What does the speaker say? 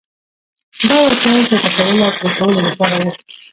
دا وسایل د ټکولو او پرې کولو لپاره وو.